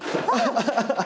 ハハハハ！